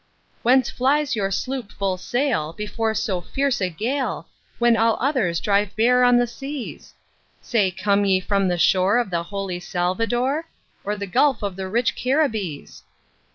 "Whence flies your sloop full sail before so fierce a gale, When all others drive bare on the seas? Say, come ye from the shore of the holy Salvador, Or the gulf of the rich Caribbees?"